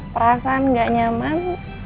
perasaan gak nyaman